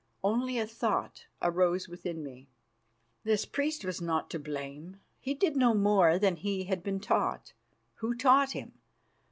Only a thought arose within me. This priest was not to blame. He did no more than he had been taught. Who taught him?